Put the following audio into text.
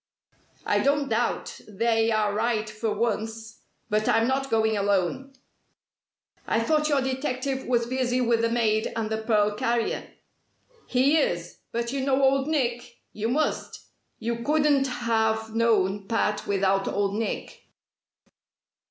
"I don't doubt 'they' are right for once! But I'm not going alone." "I thought your detective was busy with the maid and the pearl carrier." "He is. But you know Old Nick? You must! You couldn't have known Pat without Old Nick."